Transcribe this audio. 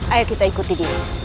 ayo kita ikut diri